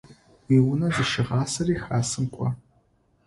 Уиунэ зыщыгъасэри Хасэм кIо.